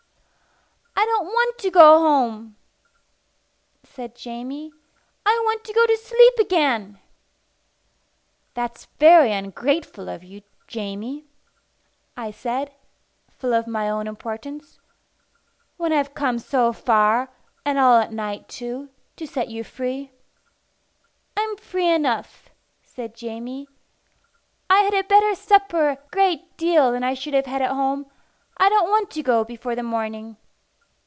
"I don't want to go home," said Jamie. "I want to go to sleep again." "That's very ungrateful of you, Jamie," I said, full of my own importance, "when I've come so far, and all at night too, to set you free." "I'm free enough," said Jamie. "I had a better supper a great deal than I should have had at home. I don't want to go before the morning."